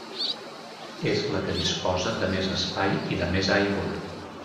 És la que disposa de més espai i de més aigua.